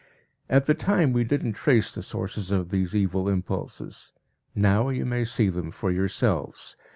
At the time we did not trace the sources of these evil impulses. Now you may see them for yourselves.